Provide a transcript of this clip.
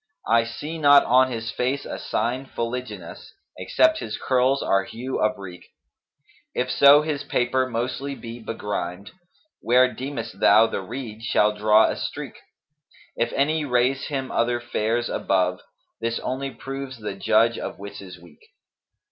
I see not on his face a sign fuli * genous, except his curls are hue of reek. If so his paper[FN#247] mostly be begrimed * Where deemest thou the reed shall draw a streak? If any raise him other fairs above, * This only proves the judge of wits is weak.'